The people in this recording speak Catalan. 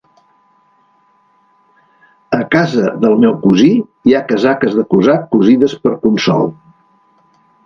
A casa del meu cosí hi ha casaques de cosac cosides per Consol.